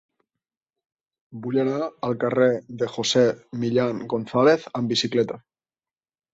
Vull anar al carrer de José Millán González amb bicicleta.